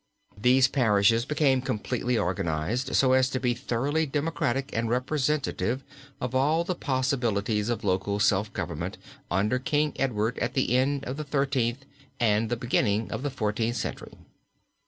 These parishes became completely organized, so as to be thoroughly democratic and representative of all the possibilities of local self government under King Edward at the end of the Thirteenth and the beginning of the Fourteenth Century.